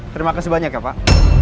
terima kasih banyak ya pak